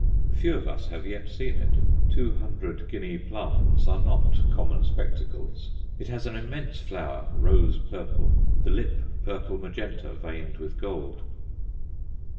Few of us have seen it two hundred guinea plants are not common spectacles. It has an immense flower, rose purple; the lip purple magenta, veined with gold.